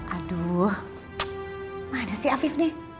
aduh mana si afif nih